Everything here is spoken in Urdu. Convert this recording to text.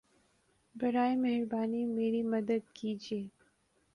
براہِ مہربانی میری مدد کیجیے